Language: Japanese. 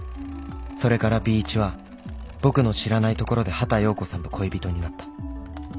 それから Ｂ 一は僕の知らないところで畑葉子さんと恋人になった